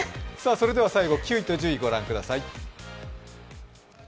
それでは最後９位と１０位、御覧ください。